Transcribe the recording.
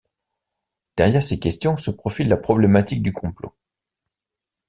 Derrière ces questions se profile la problématique du complot.